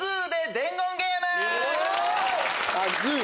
カズー！